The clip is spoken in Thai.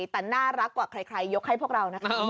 แต่น่ารักกว่าใครยกให้พวกเรานะคะ